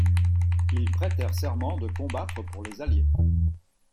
Ils prêtèrent serment de combattre pour les alliés.